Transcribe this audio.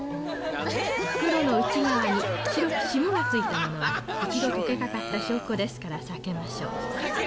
袋の内側に白く霜がついたものは、一度とけかかった証拠ですから、避けましょう。